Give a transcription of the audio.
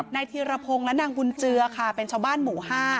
ธีรพงศ์และนางบุญเจือค่ะเป็นชาวบ้านหมู่๕